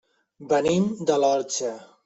Venim de l'Orxa.